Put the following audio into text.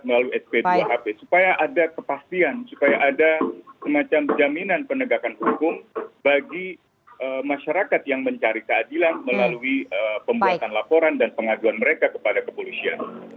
melalui sp dua hp supaya ada kepastian supaya ada semacam jaminan penegakan hukum bagi masyarakat yang mencari keadilan melalui pembuatan laporan dan pengajuan mereka kepada kepolisian